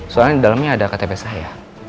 soalnya di dalamnya ada ktp saya